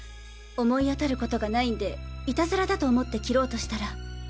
思い当たる事がないんでイタズラだと思って切ろうとしたら。